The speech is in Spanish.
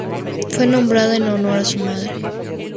Fue nombrada en honor a su madre.